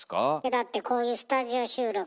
だってこういうスタジオ収録でもさ。